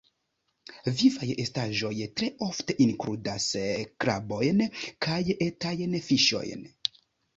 Vivaj estaĵoj tre ofte inkludas krabojn kaj etajn fiŝojn.